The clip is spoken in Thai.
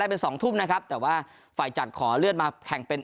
เป็นสองทุ่มนะครับแต่ว่าฝ่ายจัดขอเลื่อนมาแข่งเป็น